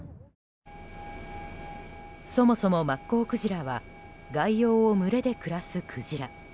そもそもマッコウクジラは外洋を群れで暮らすクジラ。